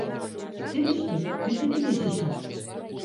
Сетычник — тридцатитысячник.